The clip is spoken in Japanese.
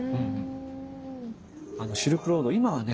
シルクロード今はね